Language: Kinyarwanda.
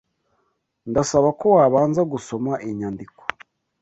Ndasaba ko wabanza gusoma iyi nyandiko.